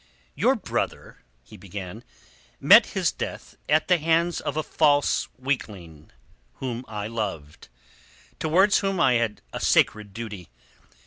"Your brother," he began, "met his death at the hands of a false weakling whom I loved, towards whom I had a sacred duty.